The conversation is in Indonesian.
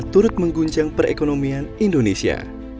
turut mengguncang perekonomian indonesia